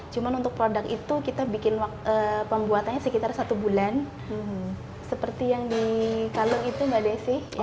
cuma untuk produk itu kita bikin pembuatannya sekitar satu bulan seperti yang di kalung itu mbak desi